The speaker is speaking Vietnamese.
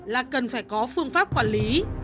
là cần phải có phương pháp quản lý